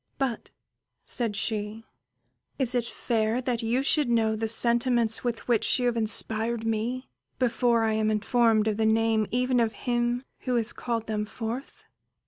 "But," said she, "is it fair that you should know the sentiments with which you have inspired me before I am informed of the name even of him who has called them forth?"